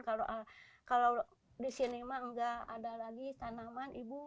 kalau di sini imas tidak ada lagi tanaman ibu